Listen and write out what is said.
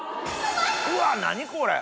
うわ何これ！